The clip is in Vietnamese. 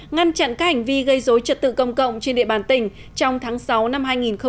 ngăn chặn các hành vi gây dối trật tự công cộng trên địa bàn tỉnh trong tháng sáu năm hai nghìn hai mươi